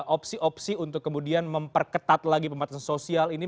opsi opsi untuk kemudian memperketat lagi pembatasan sosial ini